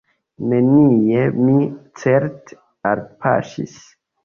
Nenie mi, certe, elpaŝis.